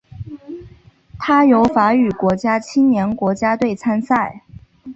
它由法语国家青年国家队参赛。